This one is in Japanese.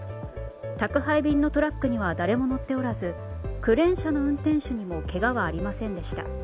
宅配便のトラックには誰も乗っておらずクレーン車の運転手にもけがはありませんでした。